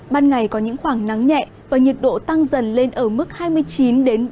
ban ngày có những khoảng nắng nhẹ và nhiệt độ tăng dần lên ở mức hai mươi chín ba mươi